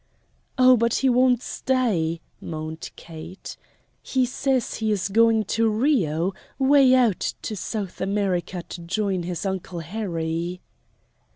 "Oh, but he won't stay!" moaned Kate. "He says he is going to Rio way out to South America to join his Uncle Harry."